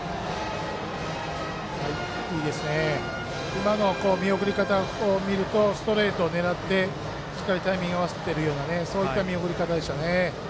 今の見送り方見るとストレートを狙ってタイミングを合わせているようなそういった見送り方でしたね。